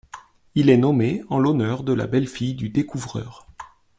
Il est nommé en l'honneur de la belle-fille du découvreur.